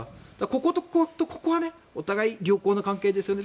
こことここはお互い良好な関係ですよね